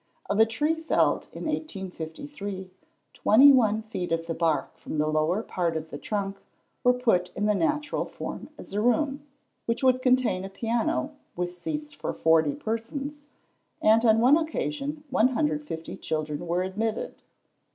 Of a tree felled in 1853, 21 feet of the bark from the lower part of the trunk were put in the natural form as a room, which would contain a piano, with seats for forty persons; and on one occasion 150 children were admitted.